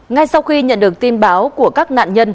ngay sau khi nhận được tin báo của nguyễn mai hoa